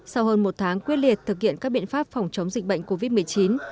sau hơn một tháng quyết liệt thực hiện các biện pháp phòng chống dịch bệnh covid một mươi chín